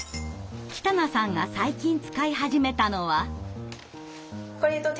北名さんが最近使い始めたのは。